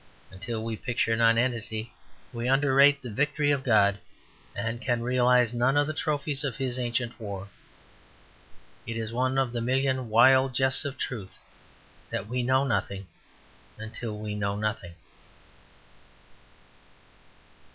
Until we picture nonentity we underrate the victory of God, and can realize none of the trophies of His ancient war. It is one of the million wild jests of truth that we know nothing until we know nothing.